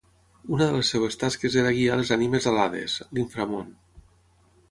Una de les seves tasques era guiar les ànimes a l'Hades, l'inframón.